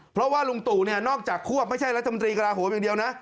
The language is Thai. เพราะว่าลุงตู่เนี่ยนอกจากควบไม่ใช่รัฐมนตรีกระลาโหมอย่างเดียวนะ